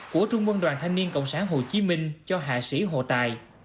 của trung vân đoàn thanh niên cộng sản hồ chí minh cho hạ sĩ hồ tài